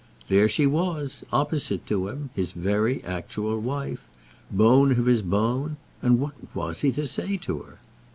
There she was, opposite to him, his very actual wife, bone of his bone; and what was he to say to her?